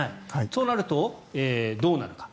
そうなると、どうなるか。